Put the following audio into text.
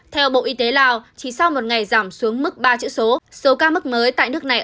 theo bộ y tế lào chỉ sau một ngày giảm xuống mức ba chữ số số ca mắc mới tại nước này